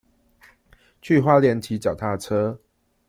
去花蓮騎腳踏車